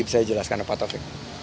nanti saya jelaskan pak taufik